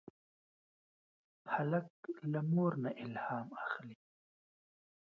هلک له مور نه الهام اخلي.